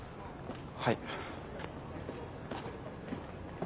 はい。